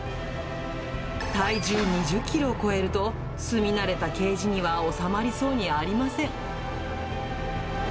体重２０キロを超えると、住み慣れたケージには収まりそうにありません。